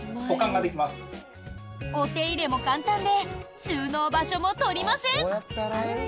お手入れも簡単で収納場所も取りません。